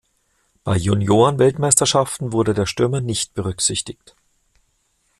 Bei Junioren-Weltmeisterschaften wurde der Stürmer nicht berücksichtigt.